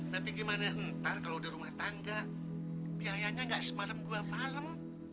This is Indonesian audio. tapi gimana ntar kalau di rumah tangga biayanya nggak semalem dua malem